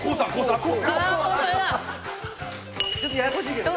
ちょっとややこしいけどね。